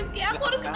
kita keluar sekarang